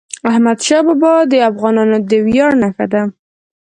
احمدشاه بابا د افغانانو د ویاړ نښه ده.